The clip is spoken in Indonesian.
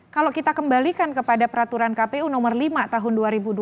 kalau kita kembalikan kepada peraturan kpu nomor lima tahun dua ribu dua puluh